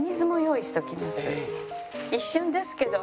一瞬ですけど。